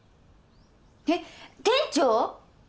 えっ店長！？